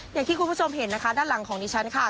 อย่างที่คุณผู้ชมเห็นนะคะด้านหลังของดิฉันค่ะ